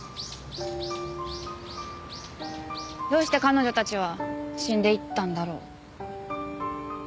どうして彼女たちは死んでいったんだろう。